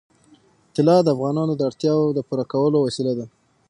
طلا د افغانانو د اړتیاوو د پوره کولو وسیله ده.